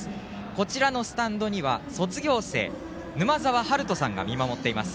こちらのスタンドには、卒業生沼澤はるとさんが見守っています。